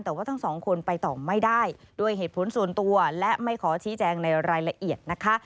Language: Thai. แต่ว่าทั้งสองคนไปต่อไม่ได้ด้วยเหตุผลส่วนตัวและไม่ขอชี้แจงในรายละเอียดนะคะ